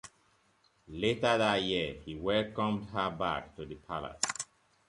Later that year, he welcomed her back to the palace.